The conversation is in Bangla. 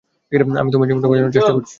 আমি তোমার জীবনটা বাঁচানোর চেষ্টা করছি।